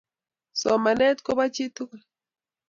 Somanet kopo chi tugul